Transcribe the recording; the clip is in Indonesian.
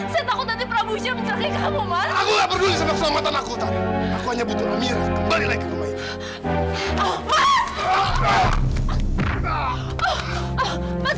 saya takut nanti prabu syah mencari kamu mas